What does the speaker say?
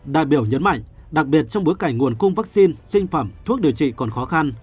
đại biểu nhấn mạnh đặc biệt trong bối cảnh nguồn cung vaccine sinh phẩm thuốc điều trị còn khó khăn